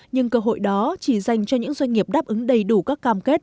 nhưng cơ hội đó chỉ dành cho những doanh nghiệp đáp ứng đầy đủ các cam kết